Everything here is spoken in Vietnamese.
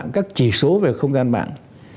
về những các chỉ số về không gian mạng